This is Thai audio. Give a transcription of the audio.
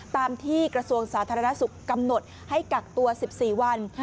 ตามที่กระทรวงสาธารณสุขกำหนดให้กักตัว๑๔วัน